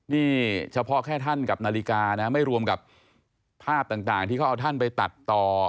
นี่เฉพาะแค่ท่านกับนาฬิกานะไม่รวมกับภาพต่างที่เขาเอาท่านไปตัดต่อ